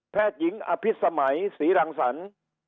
แพทย์หญิงอภิษฐ์สมัยศรีรังสรรค์